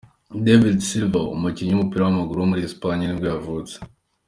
David Silva, umukinnyi w’umupira w’amaguru wo muri Espagne nibwo yavutse.